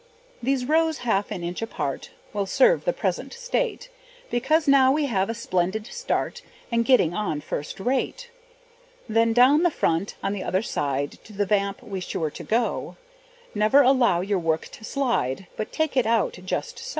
These rows, half an inch apart, Will serve the present state, Because now we have a splendid start, And getting on first rate. Then down the front on the other side, To the vamp be sure to go; Never allow your work to slide, But take it out just so.